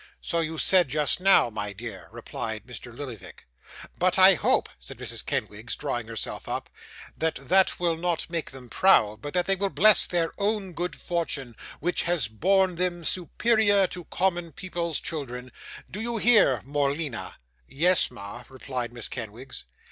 'So you said just now, my dear,' replied Mr. Lillyvick. 'But I hope,' said Mrs. Kenwigs, drawing herself up, 'that that will not make them proud; but that they will bless their own good fortune, which has born them superior to common people's children. Do you hear, Morleena?' 'Yes, ma,' replied Miss Kenwigs.